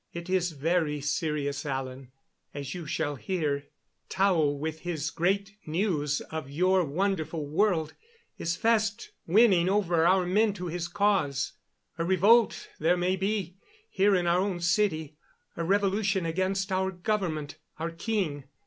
It is very serious, Alan, as you shall hear. Tao, with his great news of your wonderful world, is very fast winning over our men to his cause. A revolt, there may be, here in our own city a revolution against our government, our king.